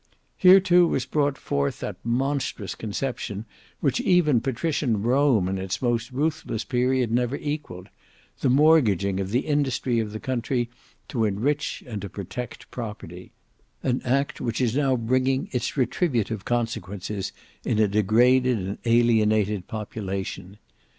Here too was brought forth that monstrous conception which even patrician Rome in its most ruthless period never equalled—the mortgaging of the industry of the country to enrich and to protect property; an act which is now bringing its retributive consequences in a degraded and alienated population.